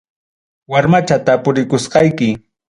Warmacha tapurikusqayki.